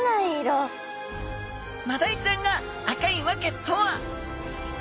マダイちゃんが赤い訳とは！？